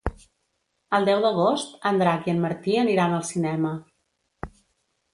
El deu d'agost en Drac i en Martí aniran al cinema.